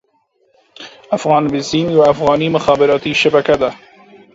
افغان بيسيم يوه افغاني مخابراتي شبکه ده.